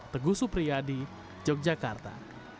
teguh supriyadi yogyakarta